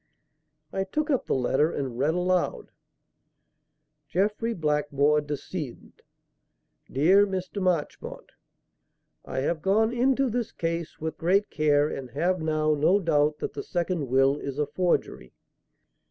I took up the letter and read aloud: "JEFFREY BLACKMORE, DECD. "DEAR MR. MARCHMONT, "I have gone into this case with great care and have now no doubt that the second will is a forgery.